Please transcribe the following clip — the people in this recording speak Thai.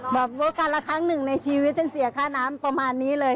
บอกว่าการละครั้งหนึ่งในชีวิตฉันเสียค่าน้ำประมาณนี้เลย